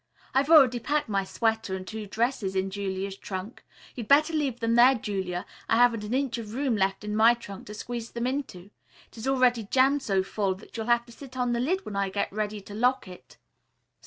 "I've already packed my sweater and two dresses in Julia's trunk. You'd better leave them there, Julia, I haven't an inch of room left in my trunk to squeeze them into. It is already jammed so full that you'll have to sit on the lid when I get ready to lock it."